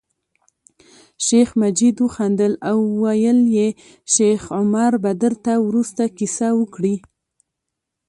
شیخ مجید وخندل او ویل یې شیخ عمر به درته وروسته کیسه وکړي.